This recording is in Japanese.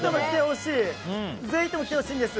ぜひとも来てほしいんです。